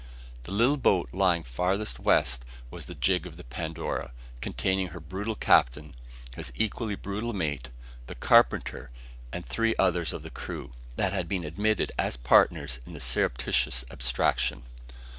The little boat lying farthest west was the gig of the Pandora, containing her brutal captain, his equally brutal mate, the carpenter, and three others of the crew, that had been admitted as partners in the surreptitious abstraction.